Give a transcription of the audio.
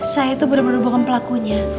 saya tuh bener bener bohong pelakunya